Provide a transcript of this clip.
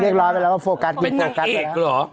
เรียกร้อยไปแล้วว่าโฟกัสเป็นนางเอกหรออืม